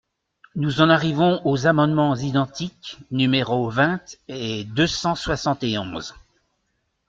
Nous en arrivons aux amendements identiques numéros vingt et deux cent soixante et onze.